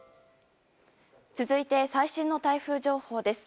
続いて最新の台風情報です。